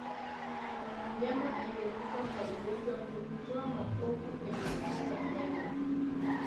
Mnyama aliyekufa kwa ugonjwa huu hutoa mapovu kwenye njia ya hewa